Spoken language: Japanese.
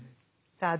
さあ